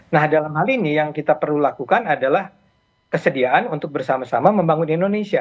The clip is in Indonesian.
nah dalam hal ini yang kita perlu lakukan adalah kesediaan untuk bersama sama membangun indonesia